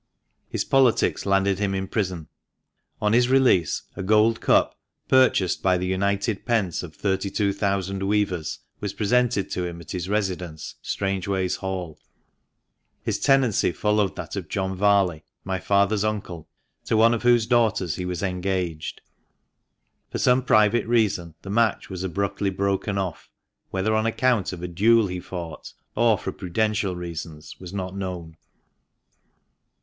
His politics landed him in prison. On his release a gold cup, purchased by the united pence of 32,000 weavers, was presented to him at his residence, Strangeways Hall. His tenancy followed that of John Varley, my father's uncle, to one ol whose daughters he was engaged. For some private reason the match was abruptly broken off; whether on account of a duel he fought or for prudential reasons was not known.